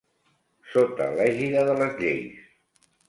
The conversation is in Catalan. Sota l'ègida de les lleis.